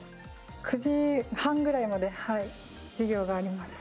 ９時半ぐらいまで授業があります。